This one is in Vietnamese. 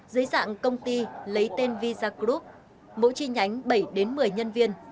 dưới dạng công ty lấy tên visa group mỗi tri nhánh bảy một mươi nhân viên